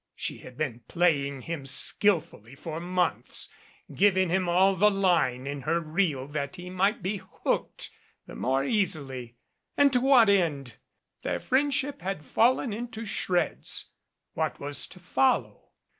She had been playing him skillfully for months, giv ing him all the line in her reel that he might be hooked the more easily. And to what end? Their friendship had fallen into shreds. What was to follow?